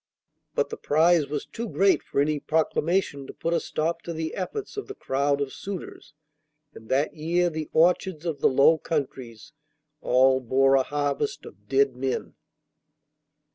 But the prize was too great for any proclamation to put a stop to the efforts of the crowd of suitors, and that year the orchards of the Low Countries all bore a harvest of dead men.